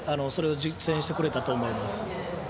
それを実践してくれたと思います。